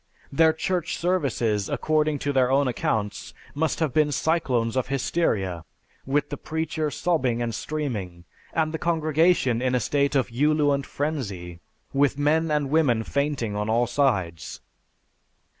Their church services according to their own accounts, must have been cyclones of hysteria, with the preacher sobbing and streaming, and the congregation in a state of ululant frenzy, with men and women fainting on all sides.